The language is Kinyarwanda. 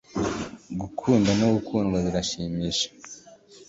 gukunda no gukundwa birashimisha